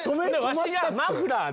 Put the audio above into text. わしがマフラーで。